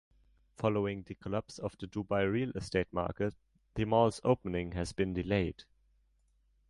Following the collapse of the Dubai real-estate market, the mall's opening has been delayed.